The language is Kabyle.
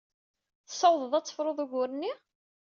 Tessawḍed ad tefrud ugur-nni?